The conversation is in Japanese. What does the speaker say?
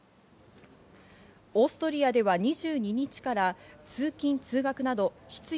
オーストリアで２２日から通勤通学など必要